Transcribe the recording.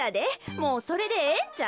もうそれでええんちゃう？